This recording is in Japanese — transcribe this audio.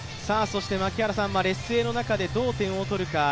槙原さんは劣勢の中でどう点を取るか。